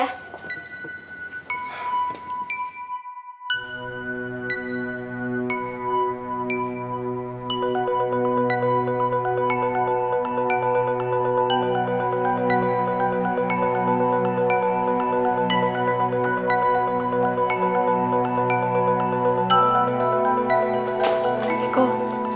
tidak aku mau minum